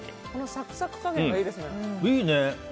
サクサク加減がいいですね。